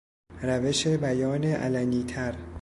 روش بیان علنیتر